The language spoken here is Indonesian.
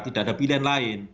tidak ada pilihan lain